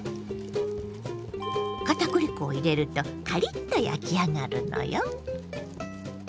片栗粉を入れるとカリッと焼き上がるのよ。